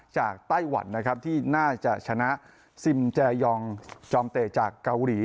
ไต้หวันนะครับที่น่าจะชนะซิมแจยองจอมเตะจากเกาหลี